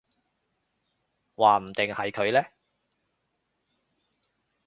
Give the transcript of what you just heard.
話唔定係佢呢